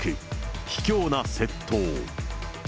ひきょうな窃盗。